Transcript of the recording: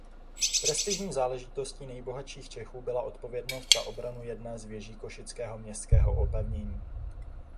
Prestižní záležitostí nejbohatších cechů byla odpovědnost za obranu jedné z věží košického městského opevnění.